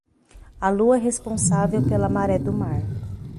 A lua é responsável pela maré do mar.